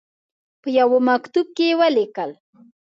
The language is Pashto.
په یوه مکتوب کې ولیکل.